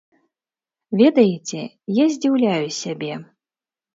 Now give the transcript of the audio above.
Ведаеце, я здзіўляю сябе.